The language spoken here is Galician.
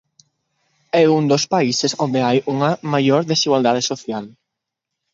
É un dos países onde hai unha maior desigualdade social.